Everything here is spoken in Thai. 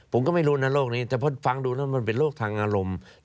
ผมก็ไม่รู้นะโรคนี้แต่พอฟังดูแล้วมันเป็นโรคทางอารมณ์